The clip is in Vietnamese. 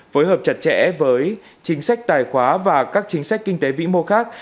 phối hợp chặt chẽ với chính sách tài khoá và các chính sách kinh tế vĩ mô khác